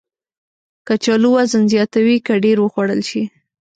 کچالو وزن زیاتوي که ډېر وخوړل شي